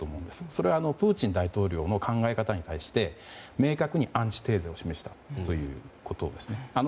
それはプーチン大統領の考え方に対して明確にアンチテーゼを示したということですね。